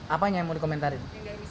apa yang mau dikomentarin